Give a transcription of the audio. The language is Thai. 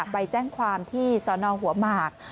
ไปแจ้งความที่สนหัวหมาก